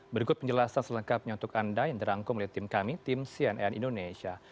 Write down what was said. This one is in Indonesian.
berikut penjelasan selengkapnya untuk anda yang dirangkum oleh tim kami tim cnn indonesia